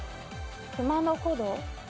熊野古道。